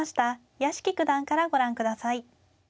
屋敷九段からご覧下さい。